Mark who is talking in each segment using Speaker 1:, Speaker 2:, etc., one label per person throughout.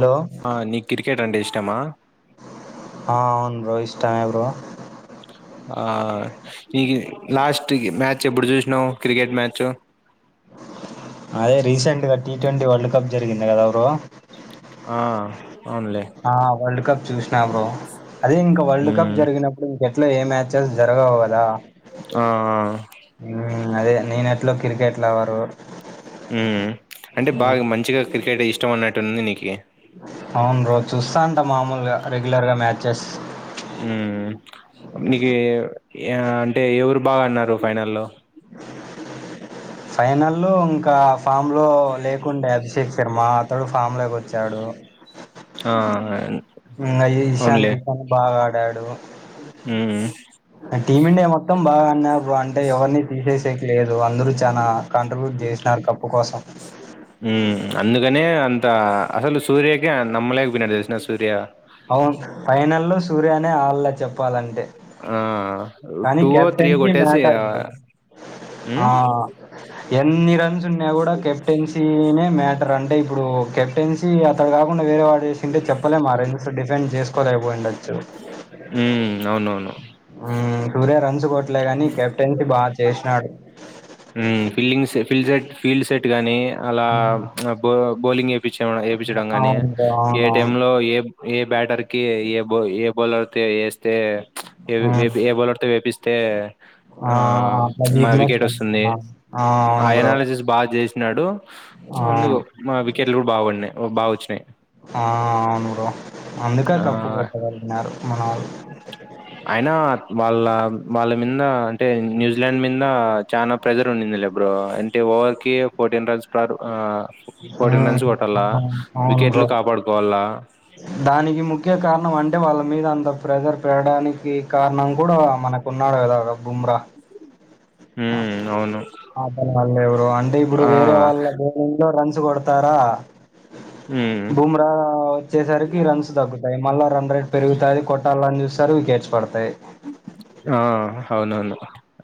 Speaker 1: Hello
Speaker 2: ఆ నీక్ cricket అంటే ఇష్టం ష్టమా
Speaker 1: ఆ అవును రోయిష్ ఇష్టమే బ్రో
Speaker 2: ఆ ఇగి లాస్ట్ మ్యాచ్ ఎప్పుడు చూసినావు్ క్రికెట్ మ్యాచ్
Speaker 1: అదే రీసెంట్గ టీ ట్వంటీ వరల్డ్ కప్ జరిగింది కదా బ్రో
Speaker 2: ఆ అవునులే
Speaker 1: ఆ వరల్డ్ కప్ చూసినా బ్రో అదే ఇంకా వరల్డ్ కప్
Speaker 2: ఉమ్
Speaker 1: జరిగినప్పుడు ఎట్ల ఏ మ్యాచ్ చేస్ జరగవు కదా
Speaker 2: ఆ
Speaker 1: హు అదే నేను ఎట్లో క్రికెట్ లవర్
Speaker 2: ఉ అంటే బాగా మంచిగా క్రికెట్ ఇష్టం అన్నట్టు ఉంది నీకి
Speaker 1: అవును రోజు చూస్తా అంట మామూలుగా రెగ్యులర్ గా మ్యాచెస్
Speaker 2: ఉ నీకు అంటే ఎవరు బాగా ఆడినారు ఫైనల్లో
Speaker 1: ఫైనల్ల్లో ఇంకా ఫామ్ లో లేకుండే అభిషేక్ శర్మ అతడు ఫామ్ లోకి వచ్చాడు
Speaker 2: ఆ
Speaker 1: ఇశాన్
Speaker 2: అవునులే
Speaker 1: కిషాన్ బాగా ఆడాడు
Speaker 2: ఉమ్
Speaker 1: టీమిండియా మొత్తం బాగా ఆడి నా ఇప్పుడు అంటే ఎవరిని తీసేసేక లేదు అందరూ చానా కాంట్రిబ్యూట్ చేసినారు కప్పు కోసం
Speaker 2: ఇనే అంత అసలు సూర్యకే నమ్మలేకపోయినాడు తెలుసునా సూర్య
Speaker 1: అవును ఫైనల్ లో సూర్య అడాల చెప్పు
Speaker 2: ఆ
Speaker 1: కానీ
Speaker 2: టూ ఓ త్రీ ఓ
Speaker 1: కెప్టెన్సీ
Speaker 2: కొట్టేసి
Speaker 1: మ్యాటర్
Speaker 2: ఆ,
Speaker 1: బ్రో ఆ
Speaker 2: ఉమ్
Speaker 1: ఎన్ని రన్స్ ఉన్నా కూడా కెప్టెన్సీ మ్యాటర్ అంటే ఇప్పుడు కెప్టెన్సీ అట్లా కాకుండా వేరే వాల్ల కుసింటే చెప్పలేం ఆరేండు డిఫెండ్ చేసు
Speaker 2: ఉ అవునవును
Speaker 1: హు చూ సిక్స్ కోట్లే గాని కెప్టెన్సీ బాగా చేసినాడు
Speaker 2: ఊ fillings field set field set గానీ అలా
Speaker 1: మ్మ్.
Speaker 2: బో బౌలింగ్ ఎంచడం ఏపీచడం గానీ
Speaker 1: అవును బ్రో,
Speaker 2: ఏ
Speaker 1: అవునవును
Speaker 2: టైంలో ఏ ఏ బ్యాటర్కి ఏ ఏ బోలర్తో ఏస్తే ఏ
Speaker 1: మ్మ్.
Speaker 2: ఏ బౌలర్ తో వేపిస్తే ఆ
Speaker 1: అట్లా
Speaker 2: మా
Speaker 1: వీక్నెస్
Speaker 2: వికెట్ వస్తు దే
Speaker 1: ఆ
Speaker 2: ఆ
Speaker 1: అవును బ్రో
Speaker 2: ఎనాలజీస్ బాగా చేసినాడు
Speaker 1: ఆ
Speaker 2: ముందు మా వికెట్లు కూడా బాగ పడినయి ఓ బాగా వచ్చినాయి
Speaker 1: ఆ అవును బ్రో అందుక కప్పు
Speaker 2: ఆహ్
Speaker 1: కొట్టగలిగినారు మనోళ్ళు
Speaker 2: అయినా వాళ్ళ వాళ్ళ మింద అంటే న్యూజిలాండ్ మింద చానా ప్రెజర్ ఉండింది లేె బ్రో అంటే ఓవర్కి ఫోర్టీన్ రన్స్ ప్ర ఫోర్టీన్
Speaker 1: హ్మ్
Speaker 2: రన్స్ కొట్టాల
Speaker 1: అవునవును. అవును బ్రో
Speaker 2: వికెట్లు కాపాడుకోవాలా
Speaker 1: దానికి ముఖ్య కారణం అంటే వాళ్ళ మీద అంత ప్రెజర్ పేడానికి కారణం కూడా మనకున్నాడు కదా బుమ్రా
Speaker 2: హ్మ్ అవును
Speaker 1: ఆటగాళ్లు ఎవరో అంటే ఇప్పుడు
Speaker 2: ఆ
Speaker 1: వేరే వాళ్ళ గేమ్ లో రన్ ద్ కొడతారా
Speaker 2: హ్మ్
Speaker 1: బుమ్రా సరికి రన్స్తతగ్గుతాయి మళ్ళా రన్ రేట్ పెరుగుతాది కొట్టా రన్ చూస్తారు వికెట్స్ పడతాయ్
Speaker 2: ఆ అవునవును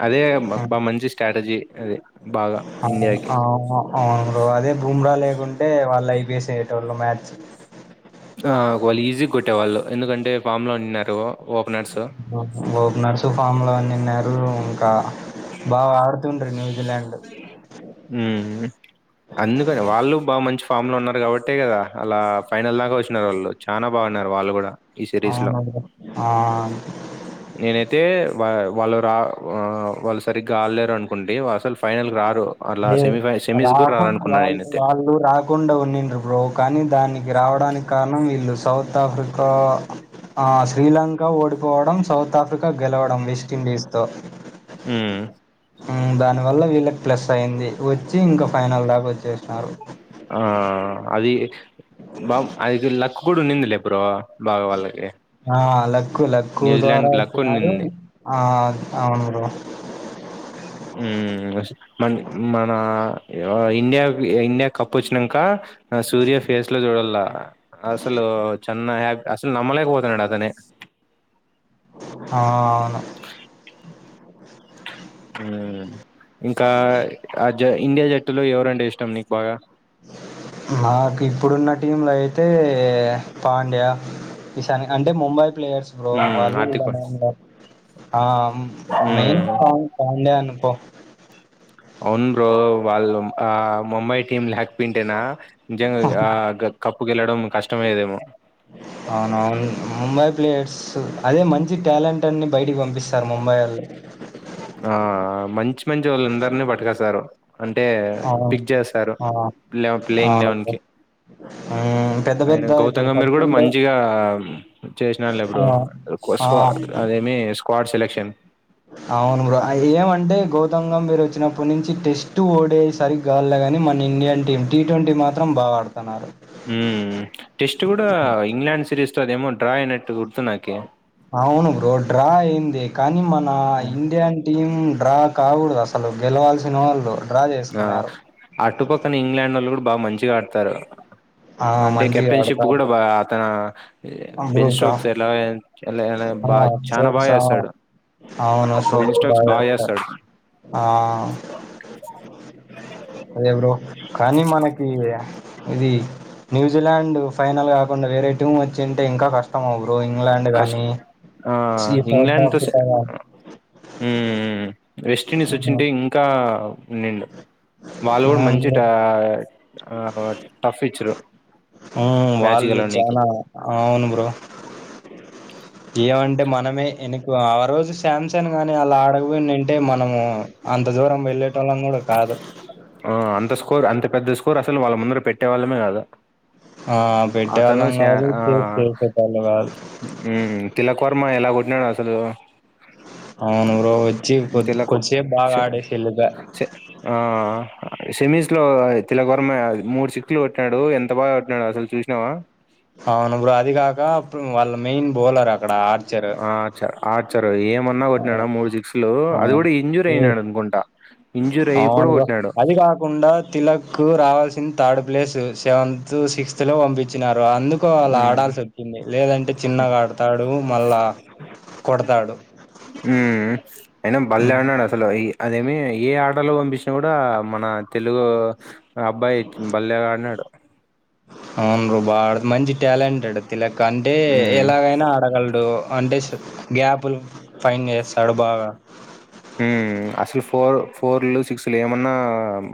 Speaker 2: అదే బ బా
Speaker 1: హ్మ్.
Speaker 2: మంచి స్ట్రాటజీ అదే బాగ
Speaker 1: అవును.
Speaker 2: ఇండియాకి
Speaker 1: అవును. అవును బ్రో అదే భూమ్రా లేకుం టే వాలైపోసేయేటోళ్లు మ్యాచ్
Speaker 2: ఆ వాళ్ళు ఈజీ కొట్టేవాళ్ళు ఎందుకంటే ఫామ్లో ఉన్నీన్నారు
Speaker 1: ఓపనర్స్ ఫామ్ లో ఉన్నిన్నారు కా
Speaker 2: ఉమ్ అందుకని వాళ్ళు బా మంచి ఫామ్ లో ఉన్నారు కాబట్టే కదా అలా ఫైనల్ దాక వచ్చినారు వాళ్ళు చానా బాగా అన్నారు వాళ్ళు కూడ
Speaker 1: అవును బ్రో ఆ
Speaker 2: వ వాళ్ళ రా ఆ వాళ్ళు సరిగ్గా ఆలలేరు అనుకుంటి అసలు ఫైనల్ రారు అలా
Speaker 1: లే
Speaker 2: సెమీ ఫై సెమీస్ గూడా
Speaker 1: రాకుం
Speaker 2: రారనుకున్నా
Speaker 1: వాళ్ళ
Speaker 2: నేనైతే.
Speaker 1: వాళ్ళు రాకుండా ఉన్నిండ్రు బ్రో కానీ దాన్ని రావడానికి కారణం వీళ్ళు సౌత్ ఆఫ్రికా ఆ శ్రీలంక ఓడిపోవడం సౌత్ ఆఫ్రికా గెలవడం వెస్ట్ ఇండీస్తో
Speaker 2: హ్మ్మ్
Speaker 1: హ్మ్మ్ దానివల్ల వీళ్ళకి ప్లస్ అయింది వచ్చి ఇంకా ఫైనల్ దాక వచ్చేస్నారు
Speaker 2: ఆ అది బామ్ అదిదులక్క్ గూడు వునిందిలే బ్రో బాగా వాళ్ళకి.
Speaker 1: ఆ లక్కు లక్కు ద్వారా
Speaker 2: న్యూజిలాండ్‌కి లక్
Speaker 1: వస్తున్నారు
Speaker 2: ఉండింది.
Speaker 1: ఆ అవును బ్రో
Speaker 2: ఉమ్ ఉస్ మన్ మనా ఆ ఇండియాకి ఇండియా కప్పు వచ్చినాంక అ సూర్య ఫేస్ లో చూడల్ల అసలూ చన్నా హ్యాప్ అసలు నమ్మలేకపోతునాడు అతనే
Speaker 1: ఆ అవును
Speaker 2: ఆ ఇంకా అ జ ఇండియా జట్టులో ఎవరంటే ఇష్టం నీకు బాగా
Speaker 1: నాకు ఇప్పుడున్న టీం లో అయితే ఏ పాండ్యా ఈశాని కంటే ముంబై ప్లేయర్స్ బ్రో
Speaker 2: మ్మ్
Speaker 1: వాళ్ళు
Speaker 2: హార్దిక్ పాండ్యా.
Speaker 1: ఆ మెయిన్
Speaker 2: మ్మ్
Speaker 1: సాంగ్ పాండ్యా అనుకో
Speaker 2: అవున్ బ్రో వాళ్ళు ఆ ముంబై టీమ్ లాక్ పోయింటేన జంగా ఆ కప్పు గెలవడం కష్టం అయ్యేదేమో
Speaker 1: అవునవును ముంబై ప్లేయర్స్ అదే మంచి టాలెంట్ అన్ని బయటికి పంపిస్తారు ముంబై ఆళ్ళు
Speaker 2: ఆ మంచి మంచి వాళ్ళందరిని పటుకస్తారు అంటే
Speaker 1: అవును
Speaker 2: పిక్ చేస్తారు
Speaker 1: ఆ
Speaker 2: ప్లే ప్లేయింగ్
Speaker 1: అవును
Speaker 2: లెవెన్
Speaker 1: బ్రో
Speaker 2: కి
Speaker 1: హ్మ్ పెద్ద
Speaker 2: ఆయన
Speaker 1: పెద్ద ఇప్పుడు
Speaker 2: గౌతమ్ గంభీర్ కూడా
Speaker 1: సచిన్ తో
Speaker 2: మంచిగా చేసినాల్లే
Speaker 1: ఆ
Speaker 2: బ్రో
Speaker 1: ఆ
Speaker 2: కుసువ అదేమి వార్డ్ సెలెక్షన్
Speaker 1: అవును బ్రో ఏమంటే గౌతం గంబీర్ వచ్చినప్పటి నుంచి టెస్ట్ ఓడేసరి గాలి గాని మన ఇండియన్ టీమ్ టీ ట్వంటీ మాత్రం బాగా ఆడుతున్నారు
Speaker 2: ఉ ఉ టెస్ట్ కూడా ఇంగ్లాండ్ సిరీస్ ద ఏమో డ్రా అయినట్టు గుర్తు నాకి
Speaker 1: అవును బ్రో డ్రా అయ్యింది కానీ మన
Speaker 2: మ్మ్.
Speaker 1: ఇండియన్ టీమ్ డ్రా కాకుడదు అసలు గెలవాల్సిన వాళ్ళు డ్రా
Speaker 2: ఆ,
Speaker 1: చేసుకున్నారు
Speaker 2: బా మంచిగా ఆడతారు
Speaker 1: ఆ
Speaker 2: అంటే
Speaker 1: మంచిగా
Speaker 2: కెప్టెన్షిప్ కూడా
Speaker 1: ఆడతారు
Speaker 2: బ అతన బెన్
Speaker 1: బ్రూకా
Speaker 2: స్టోక్స్ ఎలా ఎలనైన
Speaker 1: ఆ,
Speaker 2: బా చ
Speaker 1: స్ట్రోక్స్
Speaker 2: బాగా
Speaker 1: ఆ,
Speaker 2: చేస్తాడు
Speaker 1: అవును స్ట్రోక్స్
Speaker 2: బెన్స్టోక్స్ బాగా
Speaker 1: చేస్తారు
Speaker 2: చేస్తాడు
Speaker 1: ఆ అదే బ్రో కానీ మనకి ఇది న్యూజిలాండ్ ఫైనల్ కాకుండా వేరే టీం వచ్చింటే ఇంకా కష్ టం బ్రో ఇంగ్లాండ్
Speaker 2: కష్ట
Speaker 1: గానీ ఈ సౌత్
Speaker 2: ఇంగ్లాండ్తో
Speaker 1: ఆఫ్రికా
Speaker 2: వెస్ట్ ఇండీస్
Speaker 1: అవును
Speaker 2: వచ్చింటే ఇంకా మేలు బాలవుడ్
Speaker 1: అవును
Speaker 2: మంచి
Speaker 1: బ్రో
Speaker 2: టా ఆహ్ టఫిచ్చరు
Speaker 1: ఉ వాళ్ళు చనా అవును బ్రో ఏమంటే మనమే ఎనకు ఆ రోజు శాంసంగ్ గాని అలా ఆడపోయినంటే మనము అంత దూరం వెళ్ళే ట్టలం కూడా కాదు
Speaker 2: ఆ! అంత స్కోర్ అంత పెద్ద స్కోర్ అసలు వాళ్ళ ముందర పెట్టే వాళ్ళమే కాదా
Speaker 1: ఆ పెట్టేవాళ్ళం కాదు చే చేసేటళ్ళు కాదు
Speaker 2: పర్మా ఎలా కొట్టినాడు అసలు
Speaker 1: అవునూ బ్రో వచ్చి కొ
Speaker 2: తిలక్
Speaker 1: కొచ్చే
Speaker 2: శ
Speaker 1: బాగా ఆడేస్ ఎలదా
Speaker 2: సెమీస్ లో తిలకవరమ మూడు సిక్స్లు కొట్టినాడు ఎంత బాగా కొట్టినాడు అసలు చూసినావా
Speaker 1: అవునుప్పుడు అదికక అప్పు వాళ్ళ మెయిన్ బోలర్ ఆ ఇక్కడ ఆర్చర్
Speaker 2: ఆ చ ఆర్చరు ఏమన్నా ఒట్టినాడ మూడు సిక్స్ ఈలు అది కూడా ఇంజూర్
Speaker 1: అవును
Speaker 2: అయినారు అనుకుంటా ఇంజూర్ అయ్యి కూడా
Speaker 1: అవునుగా
Speaker 2: కొట్టినాడు
Speaker 1: అది కాకుండా తిలక్ రావల్ సిన్ థర్డ్ ప్లేసు యాన్ తు సిక్స్త్ ల వంపి చ్చిన్నారు అందుకు అలా
Speaker 2: ఉమ్
Speaker 1: ఆడాల్సి వచ్చింది లేదంటే చిన్నగా ఆడతాడు మళ్ళా కొడతాడు
Speaker 2: అయిన బల్లె
Speaker 1: హ్మ్.
Speaker 2: అనడు అసలు ఈ అదేమి ఏ ఆటలో పంపించినా కూడా మన తెలుగు ఆ అబ్బాయి బలెగ ఆడినాడు
Speaker 1: అవును బ్రో వాడ మంచి ట్యాలెంటెడ్ తిలక్ అంటే
Speaker 2: ఉమ్
Speaker 1: ఎలాగైనా ఆడగలడు అంటే గ్యాపులు ఫైన్ యేస్తాడు బాగా
Speaker 2: ఉమ్ అసలు ఫోర్ ఫోర్లు సిక్స్ లు ఏమన్నా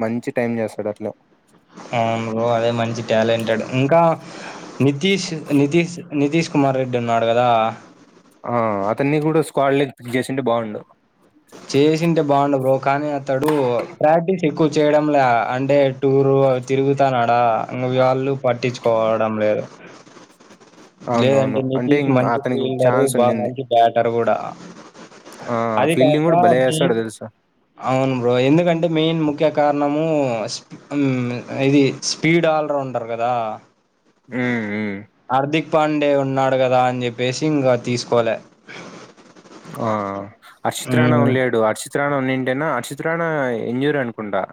Speaker 2: మంచి టైం చేస్తాడు అట్లా
Speaker 1: ఆవును బ్రో అదే మంచి ట్యాలెంటెడ్ ఇంకా నీతీష్ నితీశ్ నితీష్ కుమార్ రెడ్డి ఉన్నాడు కదా
Speaker 2: ఆ అతన్ని కూడా స్క్వాడ్ లీక్ చేసింటే బాగుండు
Speaker 1: చేసింటే బాగుండు బ్రో కానీ అతడు ప్రాక్టీస్ ఎక్కువు చేయడం లే అంటే టూర్ అవి తిరుగుతన్నాడా ఇ వాళ్ళు పట్టించుకోవడం లేదు లేదంటే
Speaker 2: అవునవును అంటే
Speaker 1: నితీష్
Speaker 2: ఇం-
Speaker 1: మంచి
Speaker 2: అతనికి
Speaker 1: ఫీల్డర్
Speaker 2: ఛాన్స్
Speaker 1: బా
Speaker 2: ఉండింది
Speaker 1: మంచి బ్యాటర్ కూడా ఆ
Speaker 2: ఆ
Speaker 1: అది
Speaker 2: ఫీల్డింగ్
Speaker 1: కాక
Speaker 2: కూడా భలే
Speaker 1: మెయిన్
Speaker 2: చేస్తాడు తెలుసా
Speaker 1: అవును బ్రో ఎందుకంటే మెయిన్ ముఖ్య కారణము ఉ ఆ ఇది స్పీడ్ ఆల్రౌండర్ కదా
Speaker 2: హు హు
Speaker 1: హార్దిక్ పాండే ఉన్నాడు కదా అని చెప్పేసి ఇంగ తీసుకోలే
Speaker 2: ఆ అర్షిత్ రాణ
Speaker 1: మ్,
Speaker 2: ఉడా లేడు అర్షిత్ త్రాన ఏటంన్న హర్షిత్ రాణా ఇంజూర్ అనుకుంటా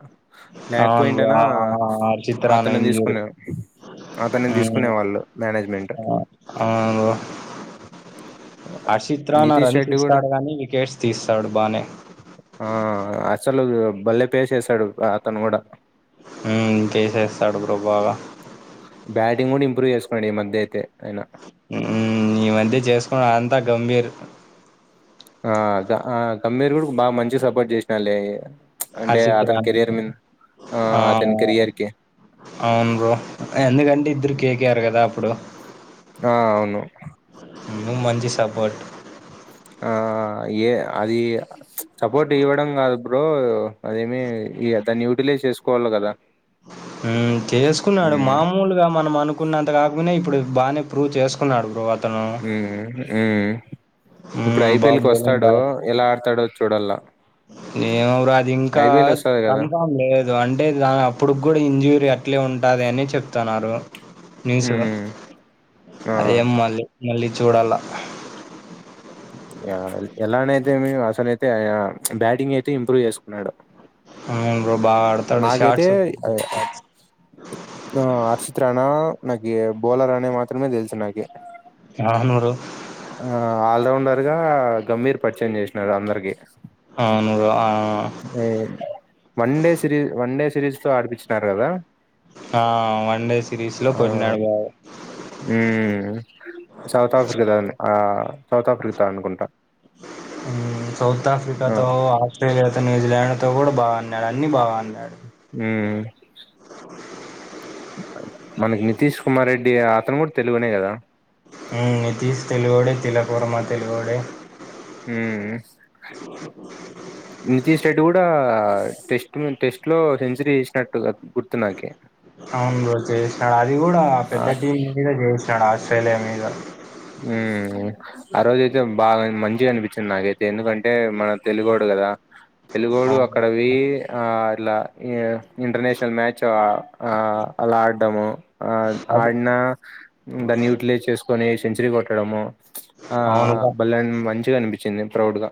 Speaker 1: అవును బ్రో
Speaker 2: లేకపోయింటేనా
Speaker 1: ఆ హర్షిత్ రాణా
Speaker 2: అతనిని
Speaker 1: ఇజూరు
Speaker 2: తీసుకునే అతనిని
Speaker 1: ఆ
Speaker 2: తీసుకునేవాళ్ళు మేనేజ్‌మెంట్.
Speaker 1: ఆ అవును బ్రో హర్షిత్ రానా
Speaker 2: నితీష్
Speaker 1: రన్స్
Speaker 2: రెడ్డి గూడా
Speaker 1: ఇస్తాడు గానీ వికెట్స్ తీస్తాడు బానే
Speaker 2: ఆ! అసలు బలే ప్లే చేసాడు అతను కూడా
Speaker 1: ఇంకేసేస్తాడు బ్రో బాగా
Speaker 2: బ్యాటింగ్ గూడా ఇంప్రూవ్ చేసుకున్నాడు ఈ మధ్యేయితే
Speaker 1: ఈ మధ్య చేసుకుని అంత అంత గంభీర్
Speaker 2: ఆ గమ్మీర్ కూడా బాగా మంచి సపోర్ట్ చేసినడులే
Speaker 1: హర్షిత్రాన ఆ
Speaker 2: అతని కెరియర్‌కి.
Speaker 1: అవును బ్రో ఎందుకంటే ఇద్దరు కేకేఆర్ కదా అప్పుడు
Speaker 2: ఆ అవును
Speaker 1: నువ్వు మంచి సపోట్
Speaker 2: ఆ ఏ అది సపోర్ట్ ఇవ్వడం కాదు ఇప్పుడు అదేమి ఈ దాన్ని యూటిలైజ్ చేసుకోవాలి కదా
Speaker 1: హు చేసుకున్నాడు
Speaker 2: ఉమ్
Speaker 1: మామూలుగా మనం అనుకున్నంత కాకపోనా ఇప్పుడు బాగానే ప్రూవ్ చేసుకున్నాడు బ్రో
Speaker 2: ఏ ఏ
Speaker 1: ఉ బాబుబొలే
Speaker 2: ఎలా ఆడతాడో చూడాల
Speaker 1: ఏమరు అది ఇంకా
Speaker 2: ఐపీఎల్ వస్తది కదా
Speaker 1: కన్ఫామ్ లేదు అంటే దాని అప్పుడు కూడా ఇంజూరీ అట్లే ఉంటు అ అది అని చెప్తున్నారు న్యూస్
Speaker 2: ఉమ్ ఆ
Speaker 1: అరె మళ్ళీ మల్లి చూడాల
Speaker 2: ఎలానైతే అసలైతే బ్యాటింగ్ అయితే ఇంప్రూవ్ చేసుకున్నాడు
Speaker 1: అవును బ్రో బాగా ఆడతాడు
Speaker 2: నాకైతే
Speaker 1: షార్ట్స్
Speaker 2: అర్చిత్ రానా నాకు బౌలర్ అనే మాత్రమే తెలుసు నాకి
Speaker 1: ఆ నూరు
Speaker 2: రౌండర్ గా గంభీర్ పరిచయం చేసినడు అందరికి
Speaker 1: అవును ఆ
Speaker 2: అ one day series one day series తో ఆడిపచ్చినారు కదా
Speaker 1: ఆ వన్ డే సిరీస్ లో
Speaker 2: ఆ
Speaker 1: కొట్టినాడు బాగా
Speaker 2: సౌత్ ఆఫ్రికా ద ఆ సౌత్ ఆఫ్రికా అనుకుంటాను
Speaker 1: సౌత్
Speaker 2: ఆ
Speaker 1: ఆఫ్రికాతో ఆస్ట్రలియా న్యూజీలండ్తో కూడా బాగా న్నాడు అన్ని బాగ అడ్నాడు
Speaker 2: మ్మ్ మనకి నితీష్ కుమార్ రెడ్డి అతను కూడా తెలుగునే కదా
Speaker 1: నితీష్ తెలుగడే తిలకర్మ తెలుగడే
Speaker 2: మ్మ్ నితీష్ రెడ్డి కూడా టెస్ట్ టెస్ట్ లో సెంచరీ చేసినట్టు గుర్తు నాకి
Speaker 1: అవును ర తె అది కూడా పెద్ద టీం మీద చేశాడు అది
Speaker 2: అ ఆ రోజ అయితే బాగా మంచిగా అనిపించింది నాకైతే ఎందుకంటే మన తెలుగోడు కదా తెలుగోడు అక్కడవి
Speaker 1: అవును
Speaker 2: ఆ లా ఇంటర్నేషనల్ మ్యాచ్ ఆ అలా ఆడడము ఆ
Speaker 1: అదే
Speaker 2: ఆడిన దన్యూ సుకొని సెంచరీ కొట్టడము ఆ
Speaker 1: అవునుగా
Speaker 2: బల్ల మంచి అనిపించింది ప్రౌడ్ గా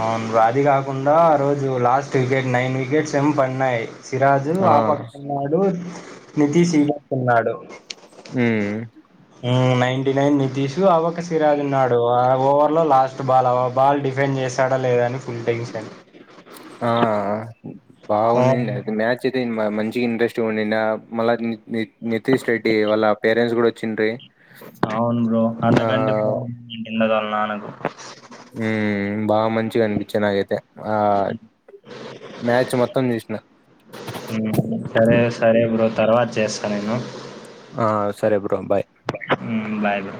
Speaker 1: అవును అది కాకుండా ఆ రోజు లాస్ట్ వికెట్ నైన్ వికెట్స్ ఏమో పడినాయి సిరాజు
Speaker 2: ఆ
Speaker 1: ఆపక్క ఉన్నాడు నితిష్వ ఇ పక్క ఉన్నాడు
Speaker 2: ఉమ్
Speaker 1: నైన్టి నైన్ నితశు అవ సిరాజు ఉన్నాడు అడ ఓ లో లాస్ట్ బాల్ అవ్వ బాల్ డిఫెండ్ చేసాడా లేదని ఫుల్ టెన్షన్
Speaker 2: బాగున్నిండా
Speaker 1: అవును
Speaker 2: అది మ్యాచ్ అయితే ఇం క మంచి ఇంట్రెస్ట్ గ ఉన్నిండా మళ్ళ నితీష్ రెడ్డి వాళ్ళ పేరెంట్స్ కూడా వచ్చిండ్రీ
Speaker 1: అవును బ్రో అంతకంటే పో [inaudible] నా నకు
Speaker 2: ఉమ్ బాగ మంచిగా అనిపిించ నాగైతే ఆ మ్యాచ్ మొత్తం చూసిన
Speaker 1: ఉమ్, సరే సరే బ్రో తర్వాత చేస్తా నేను
Speaker 2: ఆ సరే బ్రో బాయ్
Speaker 1: బాయ్ బ్రో